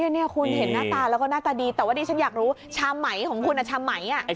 นี่คุณเห็นหน้าตาแล้วก็หน้าตาดีแต่ว่าดิฉันอยากรู้ชามไหมของคุณชามไหม